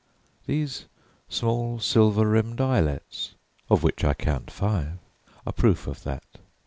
These small silver rimmed eyelets, of which I count five, are proof of that.